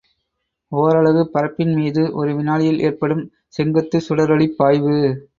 ஒரலகு பரப்பின் மீது ஒரு வினாடியில் ஏற்படும் செங்குத்துச் சுடரொளிப் பாய்வு.